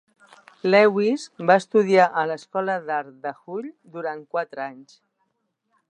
Lewis va estudiar a l'Escola d'Art de Hull durant quatre anys.